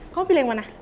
kamu pilih yang mana